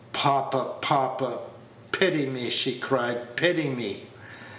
"Papa, papa, pity me," she cried, "pity me!"